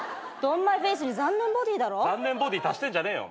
残念ボディー足してんじゃねえよ。